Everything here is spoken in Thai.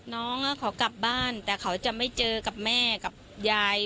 น้องเขากลับบ้านแต่เขาจะไม่เจอกับแม่กับยาย